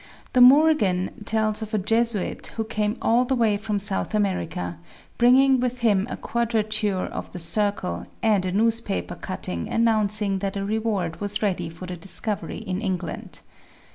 De Morgan tells of a Jesuit who came all the way from South America, bringing with him a quadrature of the circle and a newspaper cutting announcing that a reward was ready for the discovery in England.